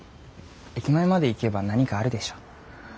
駅前まで行けば何かあるでしょ。